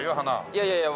いやいやいや